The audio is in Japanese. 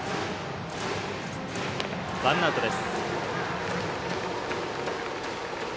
ワンアウトです。